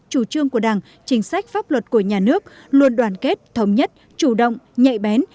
chủ trương của đảng chính sách pháp luật của nhà nước luôn đoàn kết thống nhất chủ động nhạy bén